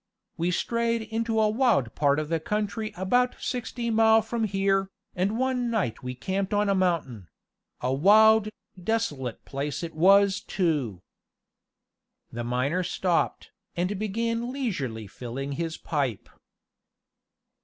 We strayed into a wild part of the country about sixty mile from here, and one night we camped on a mountain a wild, desolate place it was too." The miner stopped, and began leisurely filling his pipe.